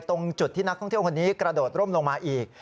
ตรงจุดที่นักท่องเที่ยวคนนี้กระโดดร่มลงมาอีก